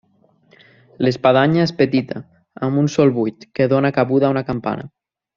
L'espadanya és petita, amb un sol buit que dóna cabuda a una campana.